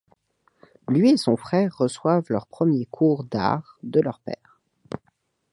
Lui et son frère reçoivent leurs premiers cours d'art de leur père.